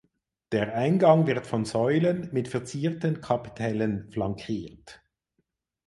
Der Eingang wird von Säulen mit verzierten Kapitellen flankiert.